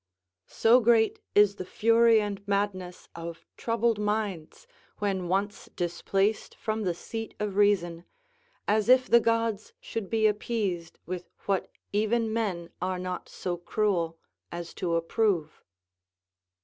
_ "So great is the fury and madness of troubled minds when once displaced from the seat of reason, as if the gods should be appeased with what even men are not so cruel as to approve."